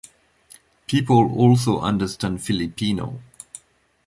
People also understand Filipino.